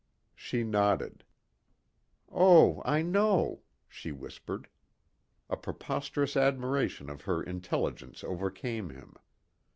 She nodded. "Oh, I know," she whispered. A preposterous admiration of her intelligence overcame him.